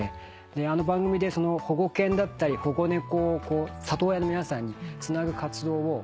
あの番組で保護犬だったり保護猫を里親の皆さんにつなぐ活動を僕らも拝見して。